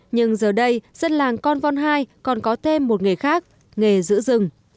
nhưng giờ đây dân làng con vòn hai còn có thêm một nghề khác nghề giữ rừng